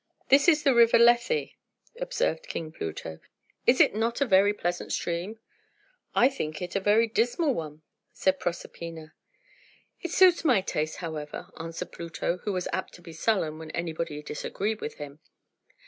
"This is the river Lethe," observed King Pluto. "Is it not a very pleasant stream?" "I think it a very dismal one," said Proserpina. "It suits my taste, however," answered Pluto, who was apt to be sullen when anybody disagreed with him.